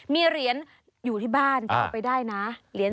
มีเหรียญอยู่ที่บ้านเอาไปได้นะ